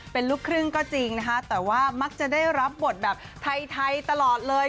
เป็นลูกครึ่งก็จริงนะคะแต่ว่ามักจะได้รับบทแบบไทยตลอดเลย